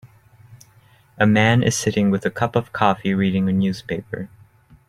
A man is sitting with a cup of coffee reading a newspaper